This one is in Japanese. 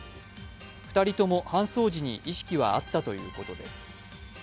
２人とも搬送時に意識はあったということです。